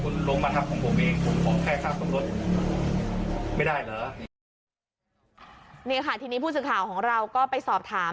นี่ค่ะทีนี้ผู้สื่อข่าวของเราก็ไปสอบถาม